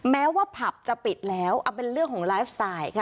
แม้ว่าผับจะปิดแล้วเอาเป็นเรื่องของไลฟ์สไตล์ค่ะ